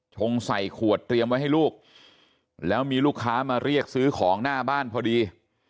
ชงใส่ขวดเตรียมไว้ให้ลูกแล้วมีลูกค้ามาเรียกซื้อของหน้าบ้านพอดี